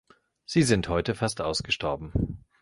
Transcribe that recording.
Sie sind heute fast ausgestorben.